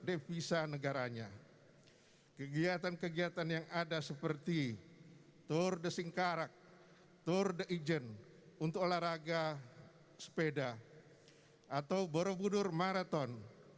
eh tepuk tangan lagi boleh silahkan